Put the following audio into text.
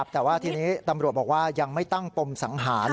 แต่ว่าทีนี้ตำรวจบอกว่ายังไม่ตั้งปมสังหาร